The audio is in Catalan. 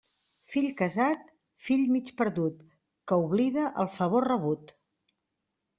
Fill casat, fill mig perdut, que oblida el favor rebut.